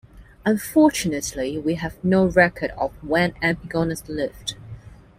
Unfortunately we have no record of when Epigonus lived.